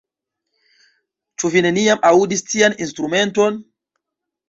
Ĉu vi neniam aŭdis tian instrumenton?